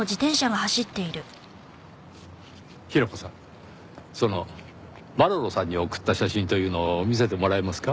ヒロコさんそのマロロさんに送った写真というのを見せてもらえますか？